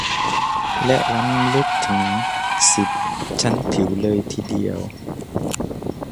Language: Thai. และล้ำลึกถึง สิบ ชั้นผิวเลยทีเดียว